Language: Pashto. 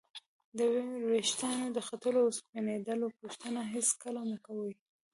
د ورېښتانو د ختلو او سپینېدلو پوښتنه هېڅکله مه کوئ!